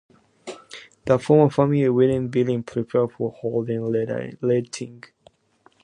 The former family wing is being prepared for holiday letting.